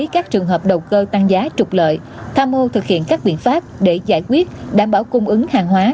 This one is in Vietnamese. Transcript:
các trường hợp đầu cơ tăng giá trục lợi tham mưu thực hiện các biện pháp để giải quyết đảm bảo cung ứng hàng hóa